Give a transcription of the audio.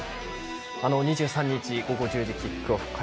２３日午後１０時キックオフ。